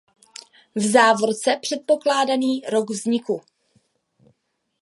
V závorce předpokládaný rok vzniku.